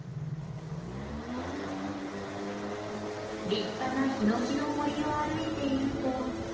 立派なヒノキの森を歩いていると。